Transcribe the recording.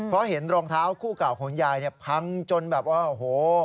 เพราะเห็นรองเท้าคู่เก่าของยายเนี่ยพังจนแบบว่าโอ้โห